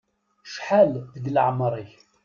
Cḥal deg laεmer-ik.